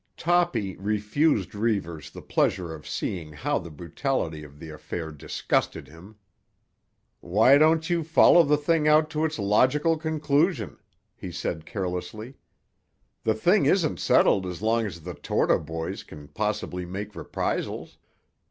Toppy refused Reivers the pleasure of seeing how the brutality of the affair disgusted him. "Why don't you follow the thing out to its logical conclusion?" he said carelessly. "The thing isn't settled as long as the Torta boys can possibly make reprisals.